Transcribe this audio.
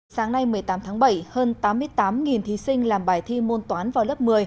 sáng nay một mươi tám tháng bảy hơn tám mươi tám thí sinh làm bài thi môn toán vào lớp một mươi